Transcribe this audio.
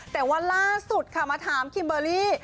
แต่ว่าล่าสุดค่ะมาถามคิมเบอร์รี่